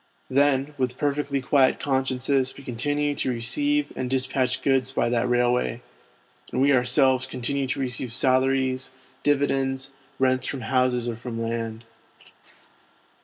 Then with perfectly quiet consciences we continue to receive and despatch goods by that railway, and we ourselves continue to receive salaries, dividends, rents from houses or from land, etc.